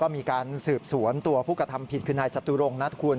มีการสืบสวนตัวผู้กระทำผิดคือนายจตุรงนัดคุณ